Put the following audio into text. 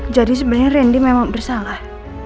jadi sebenarnya rendy memang bersalah